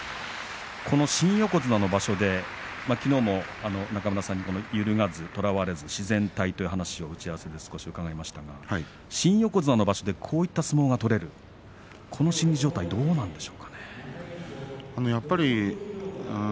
新横綱の場所で、きのうも中村さんに揺るがずとらわれず自然体という話を打ち合わせで伺いましたが新横綱でこの相撲が取れるこの心理状態はどうなんでしょうね。